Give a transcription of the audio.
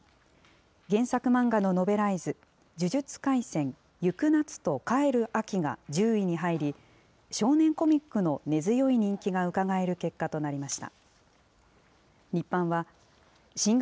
原作漫画のノベライズ、呪術廻戦逝く夏と還る秋が１０位に入り、少年コミックの根強い人気がうかがえる結果となりました。